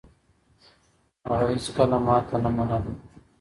هغه هيڅکله ماتې نه منله.